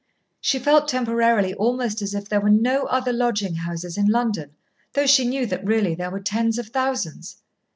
She felt temporarily almost as if there were no other lodging houses in London, though she knew that really there were tens of thousands.